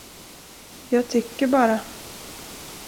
Jag tycker bara.